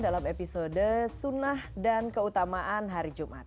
dalam episode sunnah dan keutamaan hari jumat